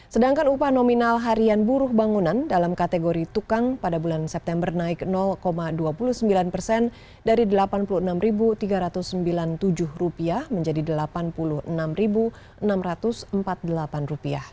sedangkan upah nominal harian buruh bangunan dalam kategori tukang pada bulan september naik dua puluh sembilan persen dari rp delapan puluh enam tiga ratus sembilan puluh tujuh menjadi rp delapan puluh enam enam ratus empat puluh delapan